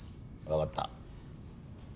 わかった。